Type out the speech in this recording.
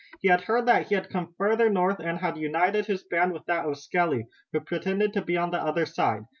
He had heard that he had come farther north and had united his band with that of Skelly, who pretended to be on the other side.